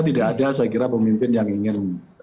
tidak ada saya kira pemimpin yang ingin